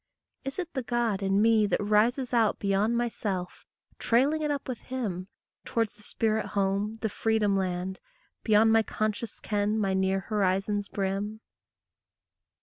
Is it the God in me that rises out Beyond my self, trailing it up with him, Towards the spirit home, the freedom land, Beyond my conscious ken, my near horizon's brim?